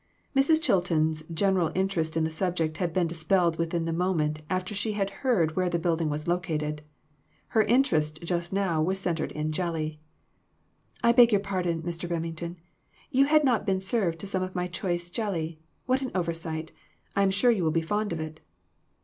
Mrs. Chilton's general interest in the subject had been dispelled within the moment after she had heard where the building was located. Her interest just now was centered in jelly. " I beg your pardon, Mr. Remington ; you have not been served to some of my choice jelly. What an oversight ! I am sure you will be fond of it."